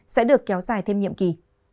sẽ được kéo dài thêm nhiệm kỳ